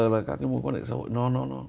là các cái mối quan hệ xã hội nó